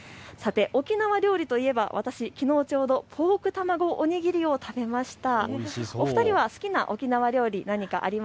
さて沖縄料理といえば私、きのうちょうど豆腐卵お握りを食べました。